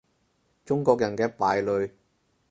中國人嘅敗類